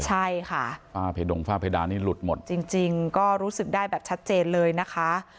ใช่ค่ะฝ้าเพดงฝ้าเพดานนี่หลุดหมดจริงก็รู้สึกได้แบบชัดเจนเลยนะคะ